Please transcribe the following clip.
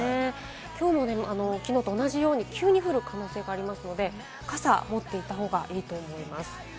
きょうも、きのうと同じように急に降る可能性がありますので、傘を持っていた方がいいと思います。